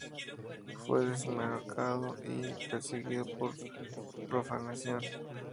Fue desenmascarado y perseguido por profanación.